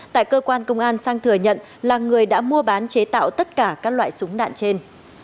tại cơ quan công an sang thừa nhận là người đã mua bán chế tạo tất cả các loại súng đạn trên